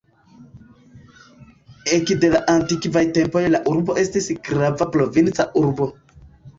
Ekde la antikvaj tempoj la urbo estis grava provinca urbo.